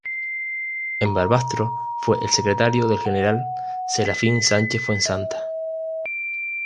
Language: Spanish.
En Barbastro fue el secretario del general Serafín Sánchez Fuensanta.